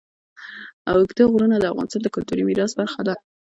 اوږده غرونه د افغانستان د کلتوري میراث برخه ده.